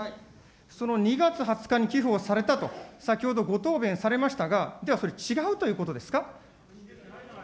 その２月２０日に寄付をされたと、先ほどご答弁されましたが、では、それ違うということですか。